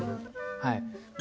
はい！